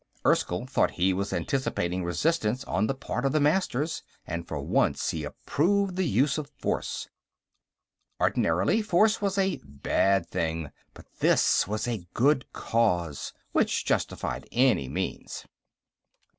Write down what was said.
Erskyll thought he was anticipating resistance on the part of the Masters, and for once he approved the use of force. Ordinarily, force was a Bad Thing, but this was a Good Cause, which justified any means.